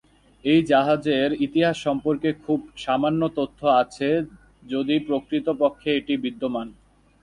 এই জাহাজের ইতিহাস সম্পর্কে খুব সামান্য তথ্য আছে যদি প্রকৃতপক্ষে এটি বিদ্যমান।